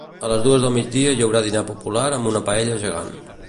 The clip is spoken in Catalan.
A les dues del migdia hi haurà dinar popular amb una paella gegant.